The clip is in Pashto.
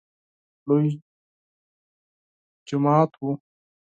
لوی جماعت و .